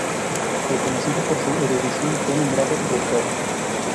Reconocido por su erudición, fue nombrado rector.